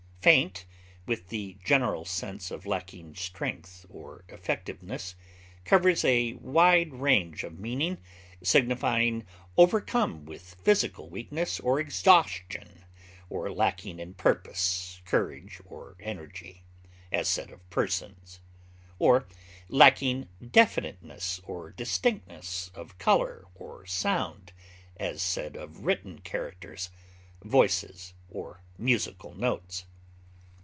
Faint, with the general sense of lacking strength or effectiveness, covers a wide range of meaning, signifying overcome with physical weakness or exhaustion, or lacking in purpose, courage, or energy, as said of persons; or lacking definiteness or distinctness of color or sound, as said of written characters, voices, or musical notes.